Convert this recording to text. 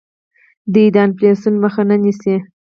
دوی د انفلاسیون مخه نیسي.